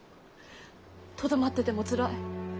とどまっててもつらい。